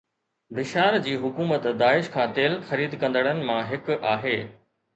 بشار جي حڪومت داعش کان تيل خريد ڪندڙن مان هڪ آهي